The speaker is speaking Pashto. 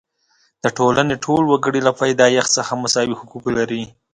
د ټولنې ټول وګړي له پیدایښت څخه مساوي حقوق لري.